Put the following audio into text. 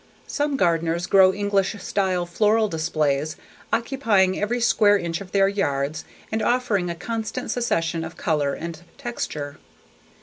Some gardeners grow English style floral displays occupying every square inch of their yards and offering a constant succession of color and texture.